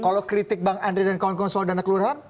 kalau kritik bank andri dan kawan kawan soal dana keluarga